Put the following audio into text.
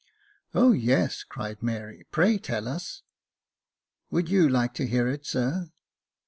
O, yes," cried Mary ;" pray tell us." " Would you like to hear it, sir